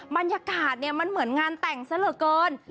บรรยากาศเนี่ยมันเหมือนงานแต่งซะเหลือเกิน